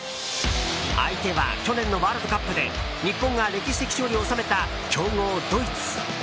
相手は去年のワールドカップで日本が歴史的勝利を収めた強豪ドイツ。